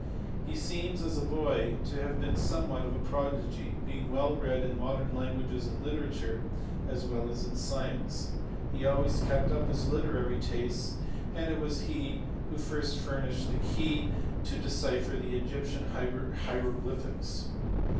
He seems as a boy to have been somewhat of a prodigy, being well read in modern languages and literature as well as in science ; he always kept up his literary tastes and it was he who first furnished the key to decipher the Egyptian hieroglyphics.